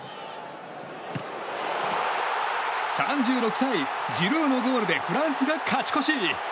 ３６歳、ジルーのゴールでフランスが勝ち越し。